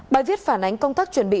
bài viết phản ánh công tác chuẩn bị